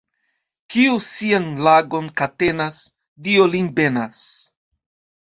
Kiu sian langon katenas, Dio lin benas.